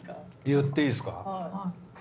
言っていいですか？